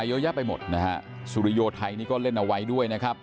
เยอะแยะไปหมดนะฮะสุริโยไทยนี่ก็เล่นเอาไว้ด้วยนะครับ